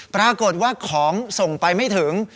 ปรากฏว่าของส่งไปไม่ถึง